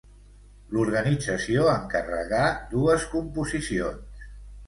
L'organització encarregà dues composicions.